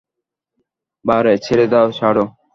বা রে, ছেড়ে দাও-ছাড়ো!